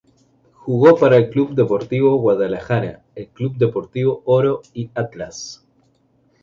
Jugó para el Club Deportivo Guadalajara, el Club Deportivo Oro y Atlas.